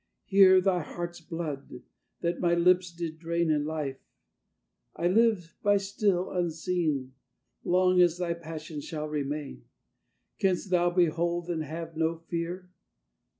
here Thy heart's blood, that my lips did drain In life; I live by still, unseen, Long as thy passion shall remain. Canst thou behold and have no fear?